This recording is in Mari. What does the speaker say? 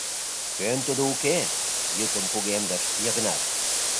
Кӧн тудо уке? — йӱкым кугемдыш Йыгнат.